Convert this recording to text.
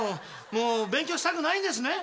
もう勉強したくないんですね？